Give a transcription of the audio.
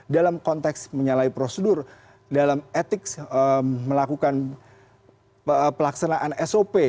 dalam konteks menyalahi prosedur dalam etik melakukan pelaksanaan sop